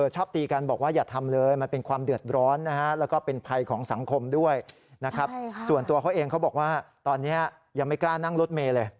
ชอบตีกันบอกว่าอย่าทำเลยมันเป็นความเดือดร้อนนะฮะแล้วก็เป็นภัยของสังคมด้วยนะครับส่วนตัวเขาเองเขาบอกว่าตอนนี้ยังไม่กล้านั่งรถเมย์เลย